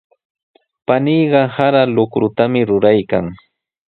Paniiqa sara luqrutami ruraykan.